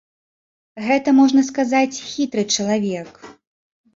Гэта, можна сказаць, хітры чалавек.